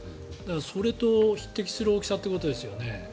それに匹敵する大きさということですよね。